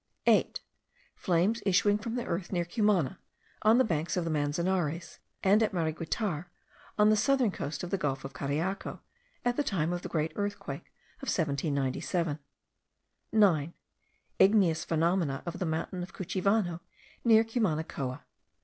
8. Flames issuing from the earth, near Cumana, on the banks of the Manzanares, and at Mariguitar, on the southern coast of the gulf of Cariaco, at the time of the great earthquake of 1797. 9. Igneous phenomena of the mountain of Cuchivano, near Cumanacoa.